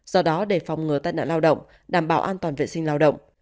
do đó để phòng ngừa tai nạn lao động đảm bảo an toàn vệ sinh lao động